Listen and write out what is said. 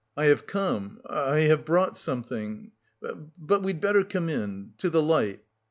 "I have come... I have brought something... but we'd better come in... to the light...."